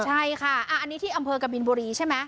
ใช่ค่ะอันนี้ที่อำเภอกบินบุรีใช่ไหม